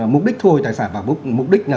mục đích thu hồi tài sản vào mục đích là